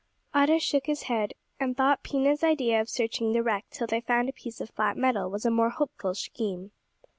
Otto shook his head, and thought Pina's idea of searching the wreck till they found a piece of flat metal was a more hopeful scheme.